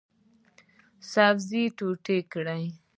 سبزي ټوټې کړئ